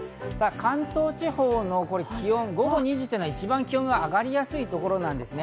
関東地方の気温、午後２時というのは気温が一番上がりやすいところなんですね。